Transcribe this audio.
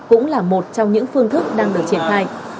cũng là một trong những phương thức đang được triển khai